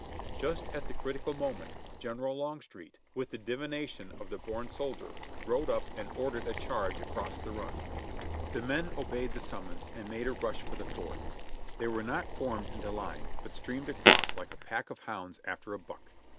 Just at the critical moment. General Longstreet, with the divination of the born soldier, rode up and ordered a charge across the run. The men obeyed the summons and made a rush for the ford. They were not formed into line, but streamed across like a pack of hounds after a buck.